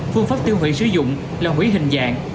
phương pháp tiêu hủy sử dụng là quỹ hình dạng